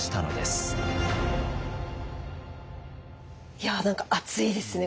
いや何か熱いですね